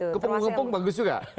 kepung ngepung bagus juga